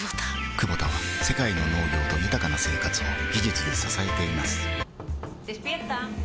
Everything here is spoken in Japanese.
クボタは世界の農業と豊かな生活を技術で支えています起きて。